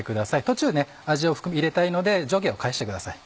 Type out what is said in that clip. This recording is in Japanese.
途中味を入れたいので上下を返してください。